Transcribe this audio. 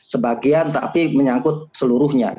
sebagian tapi menyangkut seluruhnya